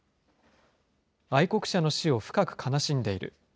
愛国者の死を深く悲しんでいる。